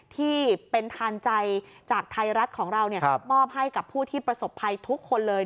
ที่เป็นทานใจจากไทยรัฐของเรามอบให้กับผู้ที่ประสบภัยทุกคนเลย